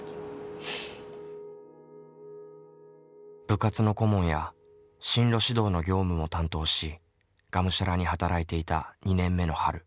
部活の顧問や進路指導の業務も担当しがむしゃらに働いていた２年目の春。